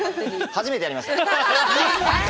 初めてやりました。